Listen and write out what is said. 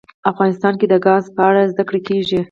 افغانستان کې د ګاز په اړه زده کړه کېږي.